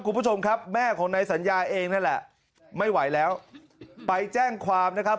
คุณผู้ชมครับแม่ของนายสัญญาเองนั่นแหละไม่ไหวแล้วไปแจ้งความนะครับ